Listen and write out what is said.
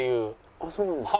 あっそうなんですか。